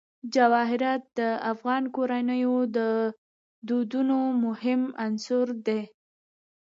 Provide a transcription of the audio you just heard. جواهرات د افغان کورنیو د دودونو مهم عنصر دی.